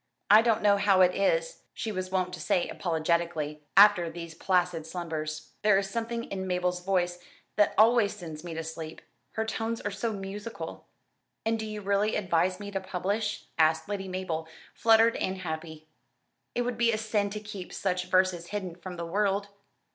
"I don't know how it is," she was wont to say apologetically, after these placid slumbers. "There is something in Mabel's voice that always sends me to sleep. Her tones are so musical." "And do you really advise me to publish?" asked Lady Mabel, fluttered and happy. "It would be a sin to keep such verses hidden from the world."